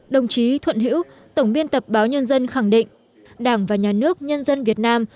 đồng chí thuận hữu tổng biên tập báo nhân dân khẳng định đảng và nhà nước nhân dân việt nam